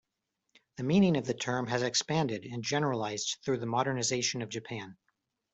The meaning of the term has expanded and generalized through the modernization of Japan.